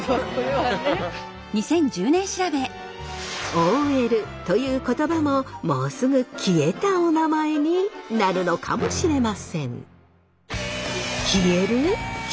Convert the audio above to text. ＯＬという言葉ももうすぐ消えたおなまえになるのかもしれません。